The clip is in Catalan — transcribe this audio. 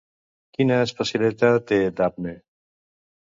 Quina especialitat té Dabne?